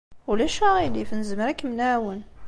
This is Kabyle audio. Ulac aɣilif, nezmer ad kem-nɛawen.